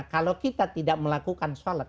kalau kita tidak melakukan sholat